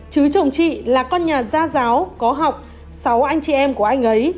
chứ chồng chị là con nhà gia giáo có học sáu anh chị em của anh ấy